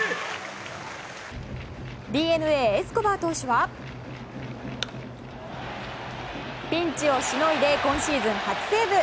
ＤｅＮＡ、エスコバー投手はピンチをしのいで今シーズン初セーブ。